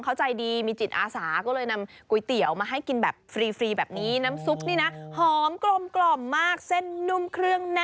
อยากจะไปทำคราวนี้ตื่นเต้นมากเลยนั่นนี่